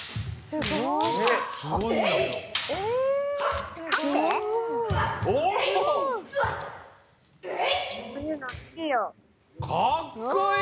すごい。